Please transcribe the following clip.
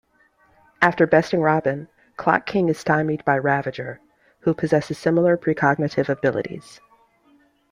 After besting Robin, Clock King is stymied by Ravager, who possesses similar precognitive abilities.